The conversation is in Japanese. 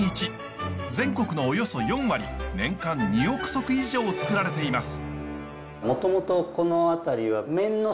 全国のおよそ４割年間２億足以上つくられています。